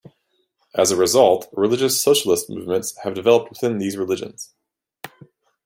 As a result, religious socialist movements have developed within these religions.